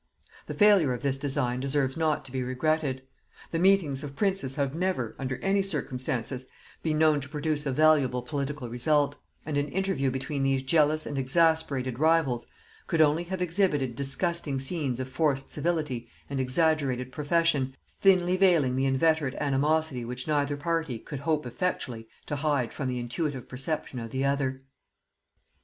The failure of this design deserves not to be regretted. The meetings of princes have never, under any circumstances, been known to produce a valuable political result; and an interview between these jealous and exasperated rivals could only have exhibited disgusting scenes of forced civility and exaggerated profession, thinly veiling the inveterate animosity which neither party could hope effectually to hide from the intuitive perception of the other.